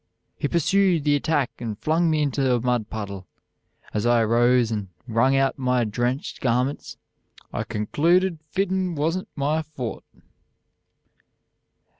He pursood the attack and flung me into a mud puddle. As I aroze and rung out my drencht garmints, I concluded fitin was n't my fort.